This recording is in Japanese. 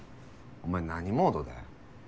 お前何モードだよ。